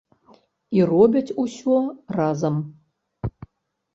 І робяць усё разам.